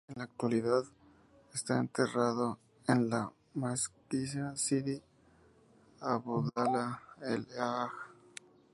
En la actualidad, está enterrado en la Mezquita Sidi Abdullah El Hajj.